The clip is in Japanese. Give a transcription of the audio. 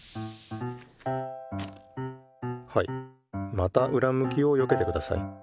またうらむきをよけてください。